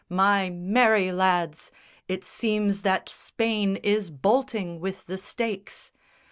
My merry lads, It seems that Spain is bolting with the stakes!